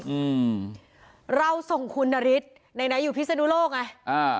อืมเราส่งคุณนฤทธิ์ไหนไหนอยู่พิศนุโลกไงอ่า